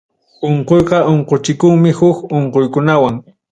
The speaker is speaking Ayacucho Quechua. Unquyqa unquchikunmi huk unquykunawan.